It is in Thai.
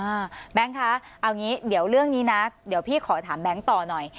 แบงค์คะเอางี้เดี๋ยวเรื่องนี้นะเดี๋ยวพี่ขอถามแบงค์ต่อหน่อย